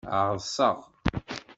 Ɛeḍseɣ.